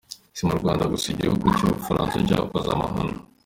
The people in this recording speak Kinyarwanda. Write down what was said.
Si Mu Rwanda gusa igihugu cy’u Bufaransa cyakoze amahano